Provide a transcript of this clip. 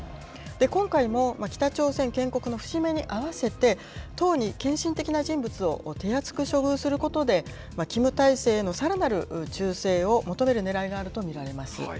今回も北朝鮮建国の節目に合わせて党に献身的な人物を手厚く処遇することで、キム体制へのさらなる忠誠を求めるねらいがあると見られます。